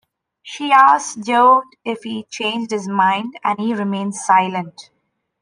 She asks Joe if he's changed his mind and he remains silent.